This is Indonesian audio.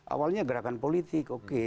awalnya gerakan politik oke